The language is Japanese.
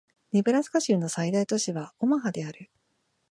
ネブラスカ州の最大都市はオマハである